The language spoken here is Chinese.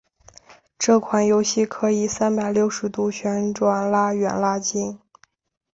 该款游戏可以三百六十度旋转拉远拉近。